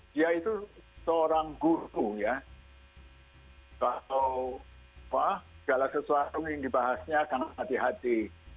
dia itu seorang guru ya kalau segala sesuatu yang dibahasnya karena hati hati